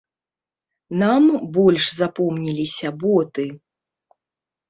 Нам больш запомніліся боты.